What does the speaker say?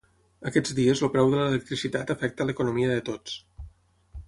Aquests dies el preu de l’electricitat afecta l’economia de tots.